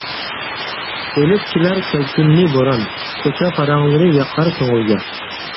ئېلىپ كېلەر كەلكۈننى بوران، كوچا پاراڭلىرى ياقار كۆڭۈلگە.